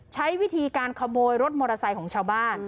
ใช้วิธีการขโมยรถมอเตอร์ไซค์ของชาวบ้าน